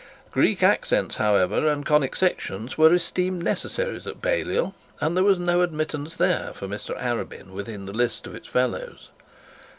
Greek accents, however, and conic sections were esteemed necessaries at Balliol, and there was no admittance there for Mr Arabin within the list of its fellows.